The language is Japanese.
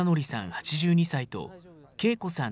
８２歳と、恵子さん